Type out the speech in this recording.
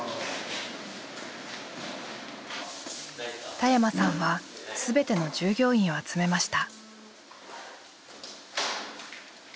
田山さんは全ての従業員を集めました。